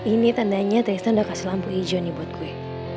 ini tandanya taxon udah kasih lampu hijau nih buat gue